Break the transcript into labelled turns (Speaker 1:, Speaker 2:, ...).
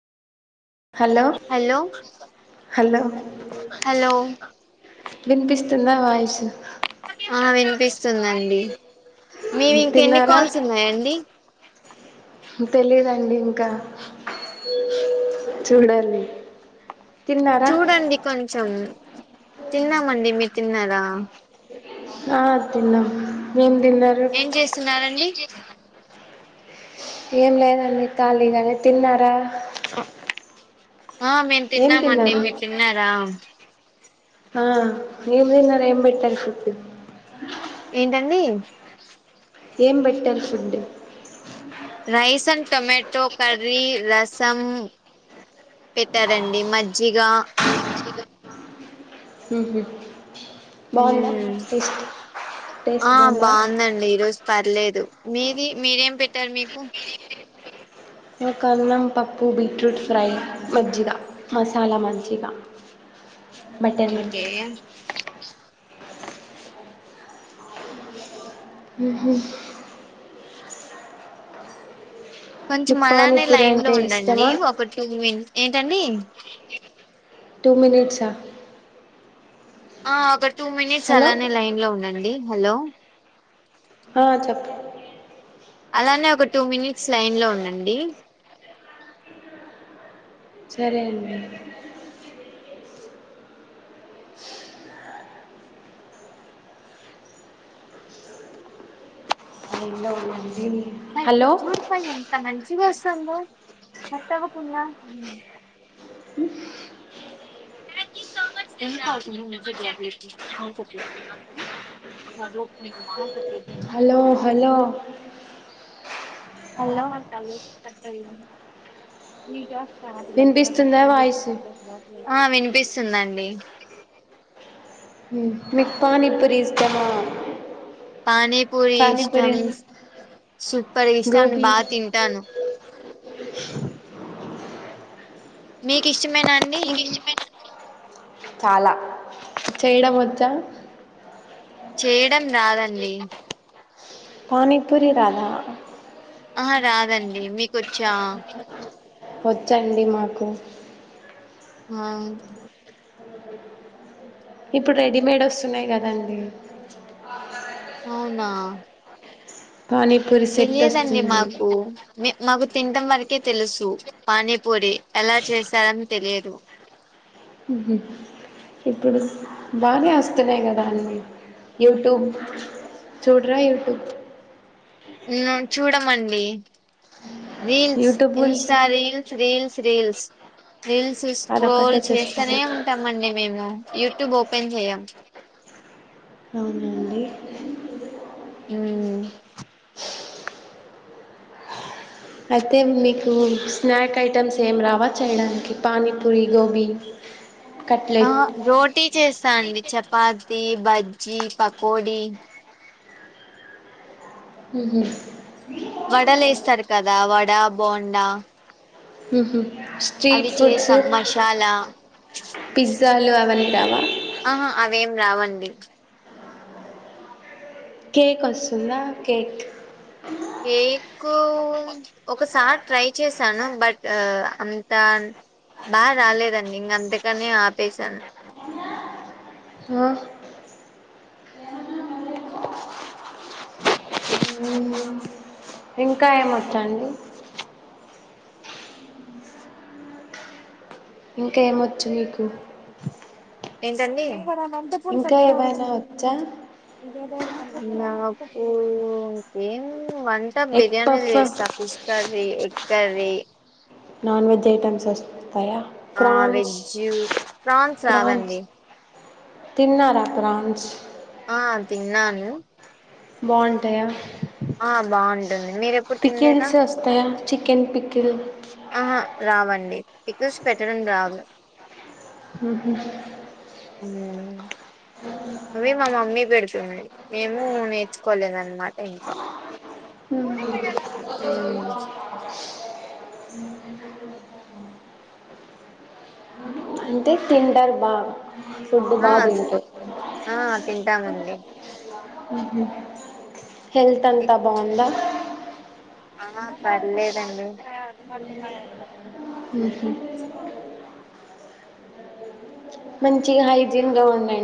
Speaker 1: Hello
Speaker 2: hello
Speaker 1: hello
Speaker 2: hello
Speaker 1: వినిపిస్తుందా voice
Speaker 2: ఆ వినిపిస్తుందండి మీవి ఇంకెన్ని
Speaker 1: తిన్నారా
Speaker 2: కాల్స్ ఉన్నాయండి
Speaker 1: తెలీదండి ఇంకా చూడాలి తిన్నారా
Speaker 2: చూడండి కొంచెం తిన్నామండి మీరు తిన్నారా
Speaker 1: ఆ తిన్నాం మీమ్
Speaker 2: ఏం చేస్తున్నారండి
Speaker 1: ఏం లేదండి ఖాళీగనే తిన్నారా
Speaker 2: ఆ మేము
Speaker 1: ఏం
Speaker 2: తిన్నామండి
Speaker 1: తిన్నారు
Speaker 2: మీరు తిన్నారా
Speaker 1: ఆ మీరు తిన్నరు ఏంబెట్టారు ఫుడ్డు
Speaker 2: ఏంటండీ
Speaker 1: ఏం బెట్టారు food
Speaker 2: rice and tomato curry రసం పెట్టారండి మజ్జిగా
Speaker 1: ఉహు బాగుందా
Speaker 2: ఉమ్
Speaker 1: టేస్ట్ టేస్ట్
Speaker 2: ఆ
Speaker 1: బాగుందా
Speaker 2: బాగుందండి ఈరోజు పర్లేదు మీది మీరేం పెట్టారు మీకు
Speaker 1: మా కన్నం పప్పు బీట్రూట్ ఫ్రై మజ్జిగ మసాలా మజ్జిగా బటర్
Speaker 2: ఓకే
Speaker 1: మిల్క్ ఉహు
Speaker 2: కొంచెం
Speaker 1: మీకు
Speaker 2: మలానే
Speaker 1: పానీపూరి
Speaker 2: లైన్ లో
Speaker 1: అంటే
Speaker 2: ఉండండి
Speaker 1: ఇష్టమా
Speaker 2: ఒక టు మి ఏంటండి
Speaker 1: టూ మినిట్స్ ఆ
Speaker 2: ఆ ఒక టూ మినిట్స్
Speaker 1: హలో
Speaker 2: అలానే లైన్ లో ఉండండి హలో
Speaker 1: ఆ చెప్పు
Speaker 2: అలానే ఒక టూ మినిట్స్ లైన్ లో ఉండండి
Speaker 1: సరే అండి హలో
Speaker 2: శివస్తందా కట్టావకుండ ఎన్ని కాల్స్ ఉన్నాయ్ మెస్సేజ్ చెయ్ [inaudible] [inaudible]
Speaker 1: హలో హలో
Speaker 2: హలో అంట లోపు కట్ అయింది
Speaker 1: వినిపిస్తుందా వాయిస్
Speaker 2: [unintelligible] ఆ వినిపిస్తుందండి
Speaker 1: మీకు పానీ పురి ఇష్టమా
Speaker 2: పానీపూరి
Speaker 1: పానీపూరి
Speaker 2: ఇష్టం సూపర్గ ఇష్టం అండి బాగా తింటాను
Speaker 1: బ్లాంక్
Speaker 2: మీకు ఇష్టమేనాండి
Speaker 1: చేయడం వచ్చా
Speaker 2: చేయడం రాదండి
Speaker 1: పానీపురి రాధా
Speaker 2: ఆహ రాదండి మీకొచ్చా
Speaker 1: వచ్చండి మాకు
Speaker 2: ఆహ్.
Speaker 1: ఇప్పుడు రెడీమేడ్ వస్తున్నాయి కదండి.
Speaker 2: అవునా.
Speaker 1: పానీపూరి సెట్
Speaker 2: తెలియదండి
Speaker 1: వస్తుంది
Speaker 2: మాకు. మాకు తినడం వరకే తెలుసు పానీపూరి అలా చేస్తారని తెలియదు.
Speaker 1: ఉహు. ఇప్పుడు బాగానే వస్తున్నాయి కదా అన్నీ యూట్యూబ్. చూడరా యూట్యూబ్.
Speaker 2: చూడమండి రీల్స్
Speaker 1: యూట్యూబ్ గురించి
Speaker 2: Insta reels reels. Reels reels
Speaker 1: అదొక్కటే
Speaker 2: స్క్రోల్
Speaker 1: చేస్తారా
Speaker 2: చేస్తనే ఉంటాంమండి మేము. యూట్యూబ్ ఓపెన్ చేయం.
Speaker 1: అవునండి.
Speaker 2: ఉమ్.
Speaker 1: అయితే మీకు స్నాక్ ఐటమ్స్ ఏం రావా చేయడానికి పానీపూరి గోబీ. కట్లెట్
Speaker 2: ఆహ్ రోటీ చేస్తా అండి చపాతి బజ్జీ పకోడి.
Speaker 1: ఉహు.
Speaker 2: వడలేస్తారు కదా వడ బోండా.
Speaker 1: ఉహు. స్ట్రీట్
Speaker 2: అవి
Speaker 1: ఫుడ్స్
Speaker 2: చేస్తాను మసాలా.
Speaker 1: పిజ్జాలు అవన్నీ రావా
Speaker 2: ఆహా అవేం రావండి.
Speaker 1: కేక్ వస్తుందా కేక్.
Speaker 2: కేక్ ఒకసారి ట్రై చేశాను బట్ అంత. బాగా రాలేదండి ఇంగ అందుకనే ఆపేశాను.
Speaker 1: ఆ మ్మ్. ఇంకా ఏమొచ్చండి. ఇంకా ఏమొచ్చు మీకు.
Speaker 2: ఏంటండి.
Speaker 1: ఇంకా ఏమైనా వచ్చా
Speaker 2: నాకు ఇంకేం. వంట
Speaker 1: ఎగ్
Speaker 2: బిర్యానీల్
Speaker 1: పఫ్
Speaker 2: చేస్తా fish curry egg curry.
Speaker 1: Non veg items వస్త్.
Speaker 2: ఆ
Speaker 1: ఫ్రాన్స్
Speaker 2: వెజ్
Speaker 1: ప్రాన్స్. తిన్నారా ప్రాన్స్.
Speaker 2: ఆహ్ తిన్నాను.
Speaker 1: బాగుంటాయా.
Speaker 2: ఆహ్ బాగుంటుంది. మీరెప్పుడు తినలేదా
Speaker 1: పికిల్స్ వస్తాయా చికెన్ పికిల్.
Speaker 2: ఆహా రావండి పికిల్స్ పెట్టడం రాదు.
Speaker 1: ఉహు.
Speaker 2: ఉమ్. అవి మా మమ్మీ పెడుతుంది మేము నేర్చుకోలేదన్నమాట ఇంకా.
Speaker 1: ఉహు
Speaker 2: ఉమ్.
Speaker 1: అంటే తింటార్ బాగా ఫుడ్
Speaker 2: ఆ
Speaker 1: బాగా తింటారు.
Speaker 2: ఆ తింటామండి.
Speaker 1: హెల్త్ అంతా బాగుందా.
Speaker 2: ఆహ్ పర్లేదండి. హెల్ప్ తీస్కోవాలి.
Speaker 1: మంచిగా హైజీన్ గా ఉండండి.